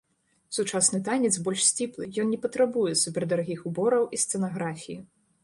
Сучасны танец больш сціплы, ён не патрабуе супердарагіх убораў і сцэнаграфіі.